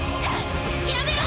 やめろ！